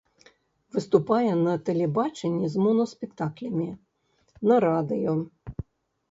Выступае на тэлебачанні з монаспектаклямі, на радыё.